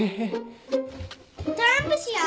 トランプしよう。